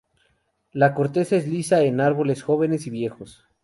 La corteza es lisa en árboles jóvenes y viejos.